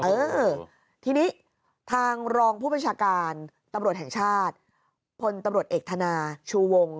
เออทีนี้ทางรองผู้บัญชาการตำรวจแห่งชาติพลตำรวจเอกธนาชูวง